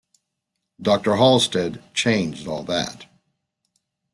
Doctor Halsted changed all that.